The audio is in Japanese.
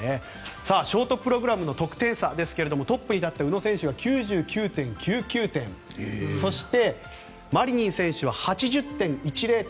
ショートプログラムの得点差ですがトップに立った宇野選手が９９．９９点そして、マリニン選手は８０．１０点。